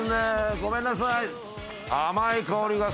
ごめんなさい。